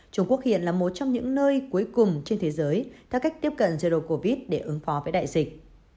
trung quốc hiện là một trong những nơi cuối cùng trên thế giới các cách tiếp cận jero covid để ứng phó với đại dịch